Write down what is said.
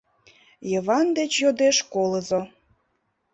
— Йыван деч йодеш колызо.